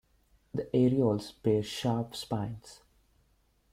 The areoles bear sharp spines.